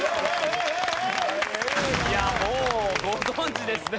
いやもうご存じですね